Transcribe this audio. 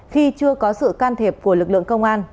khi chưa có sự can thiệp của lực lượng công an